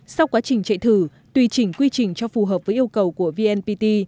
sau quá trình chạy thử tùy chỉnh quy trình cho phù hợp với yêu cầu của vnpt